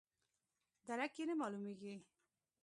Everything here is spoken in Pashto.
درک یې نه معلومیږي.